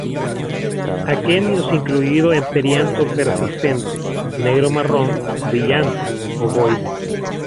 Aquenios incluidos en perianto persistente, negro-marrón, brillante, ovoide.